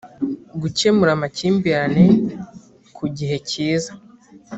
gukemura amakimbirane ku gihe cyiza